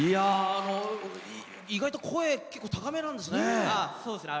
意外と声結構高めなんですね。